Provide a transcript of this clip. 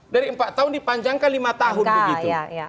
dari empat tahun dipanjangkan lima tahun begitu